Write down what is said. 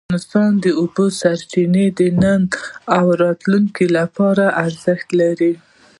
افغانستان کې د اوبو سرچینې د نن او راتلونکي لپاره ارزښت لري.